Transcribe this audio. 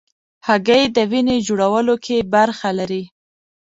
هګۍ د وینې جوړولو کې برخه لري.